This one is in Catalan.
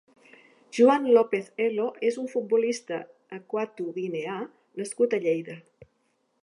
Joan López Elo és un futbolista equatoguineà nascut a Lleida.